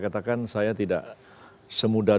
kehidupan yang lebih baik